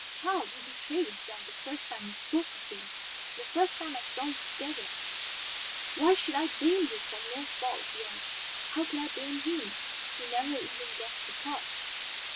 Child, you betrayed yourself the first time you spoke of him, the first time I saw you together. Why should I blame you for no fault of yours? How could I blame him, who never even guessed your thought?